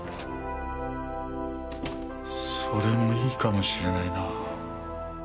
それもいいかもしれないな。